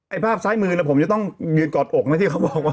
ภาพซ้ายมือผมจะต้องยืนกอดอกนะที่เขาบอกว่า